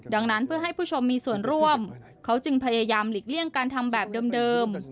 ดังนั้นเพื่อให้ผู้ชมมีส่วนร่วมเขาจึงพยายามหลีกเลี่ยงการทำแบบเดิม